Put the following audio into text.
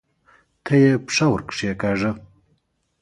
ته یې پښه ورکښېکاږه!